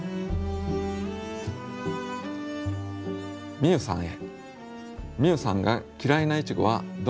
みゆさんへ。